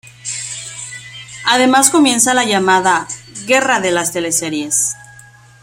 Además comienza la llamada "Guerra de las teleseries".